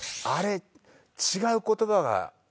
「あれ違う言葉が」